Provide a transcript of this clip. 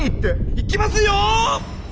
いきますよ！